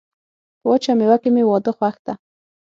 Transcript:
په وچه میوه کي مي واده خوښ ده.